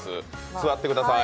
座ってくださーい。